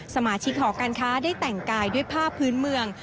สมาชิกหอการค้าได้แต่งกายด้วยผ้าพื้นเมือง